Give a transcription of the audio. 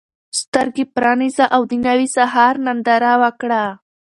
سترګې پرانیزه او د نوي سهار ننداره وکړه.